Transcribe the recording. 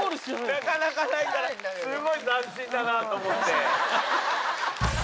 なかなかないからスゴい斬新だなと思って。